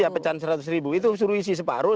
iya pecan seratus ribu itu disuruh isi separuh